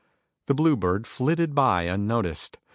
The blue bird flitted by unnoticed.